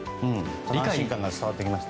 安心感が伝わってきました。